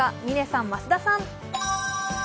嶺さん、増田さん。